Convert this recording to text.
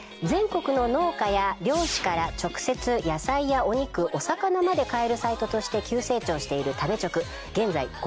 全国の農家や漁師から直接野菜やお肉お魚まで買えるサイトとして急成長している食べチョク現在